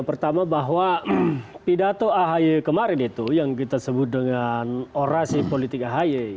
pertama bahwa pidato ahi kemarin itu yang kita sebut dengan orasi politik ahy